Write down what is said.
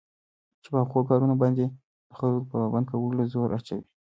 چې په هغو كارونو باندي دخلكوپه پابند كولو زور اچوي